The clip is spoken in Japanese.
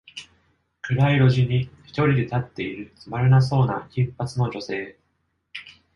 暗い路地に一人で立っているつまらなそうな金髪の女性